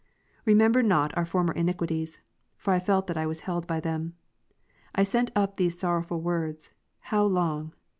Remember not our5.S. former iniquities, for I felt that I was held by them. I sent up these sorrowful words ; How long